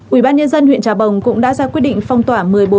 ủy ban nhân dân huyện trà bồng cũng đã ra quyết định phong tỏa một mươi bộ